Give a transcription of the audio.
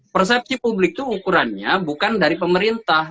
persepsi publik itu ukurannya bukan dari pemerintah